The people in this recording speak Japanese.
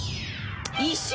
石？